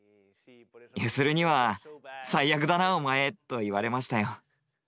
ユヅルには「最悪だなお前！」と言われましたよ。